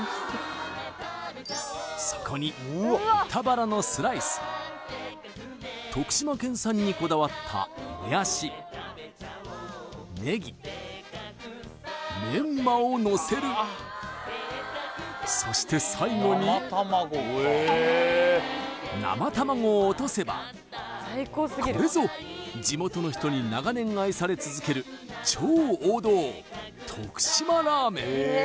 そこに豚バラのスライス徳島県産にこだわったもやしネギメンマをのせるそして最後に生卵を落とせばこれぞ地元の人に長年愛され続ける超王道徳島ラーメン！